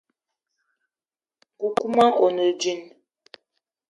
Nkoukouma one djinn.